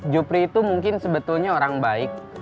jupri itu mungkin sebetulnya orang baik